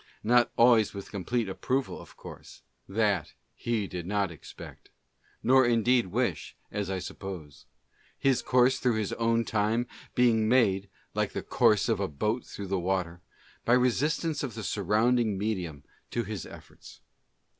Not always with complete approval, of course ; that he did not expect, nor indeed wish, as I suppose ; his course through his own time being made, like the course of a boat through the water, by the resistance of the sur rounding medium to his efforts.